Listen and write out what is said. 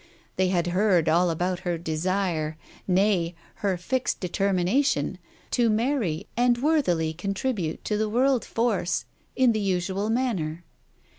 They had heard all about her desire, nay, her fixed determination, to marry and worthily contribute to the World Force, in the usual manner.